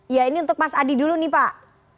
ya ini untuk mas adi dulu nih pak